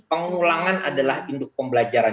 pengulangan adalah induk pembelajaran